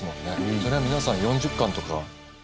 そりゃ皆さん４０缶とか。